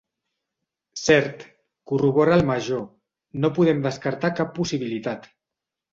Cert —corrobora el Major—, no podem descartar cap possibilitat.